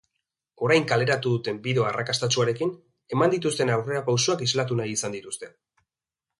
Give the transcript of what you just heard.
Orain kaleratu duten bideo arrakastatsuarekin, eman dituzten aurrerapausuak islatu nahi izan dituzte.